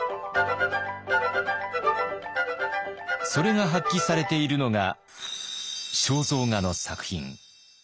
それが発揮されているのが肖像画の作品。